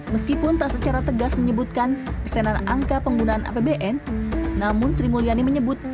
dua ribu dua puluh dua meskipun tak secara tegas menyebutkan pesanan angka penggunaan apbn namun sri mulyani menyebut